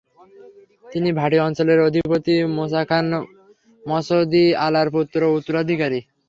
তিনি ভাটি অঞ্চলের অধিপতি মুসা খান মসনদ-ই-আলার পুত্র ও উত্তরাধিকারী।